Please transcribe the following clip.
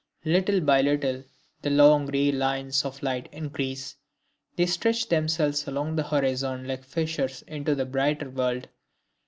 Little by little the long gray lines of light increase, they stretch themselves along the horizon like fissures into a brighter world.